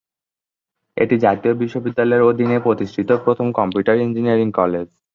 এটি জাতীয় বিশ্ববিদ্যালয়ের অধীনে প্রতিষ্ঠিত প্রথম কম্পিউটার ইঞ্জিনিয়ারিং কলেজ।